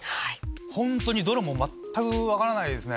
ホントにどれも全く分からないですね。